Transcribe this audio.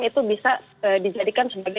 itu bisa dijadikan sebagai